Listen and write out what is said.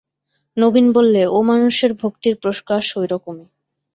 নবীন বললে, ও-মানুষের ভক্তির প্রকাশ ঐরকমই।